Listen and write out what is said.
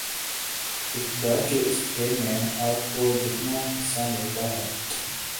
اقتدار کے اس کھیل میں آپ کو جتنا حصہ ملتا ہے